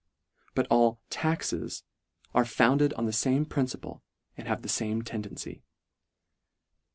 But all "taxes" are found ed on the fame principle, and have the fame tendency.